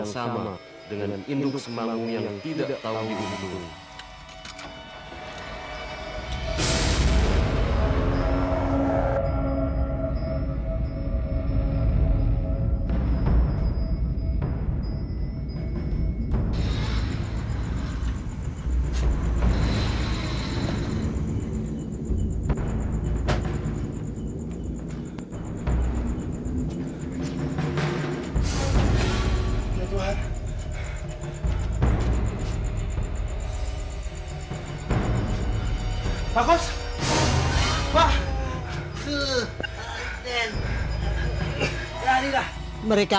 sampai jumpa di video selanjutnya